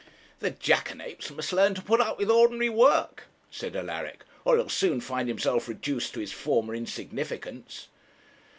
'The jackanapes must learn to put up with ordinary work,' said Alaric, 'or he'll soon find himself reduced to his former insignificance.'